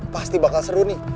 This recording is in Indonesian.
pasti bakal seru nih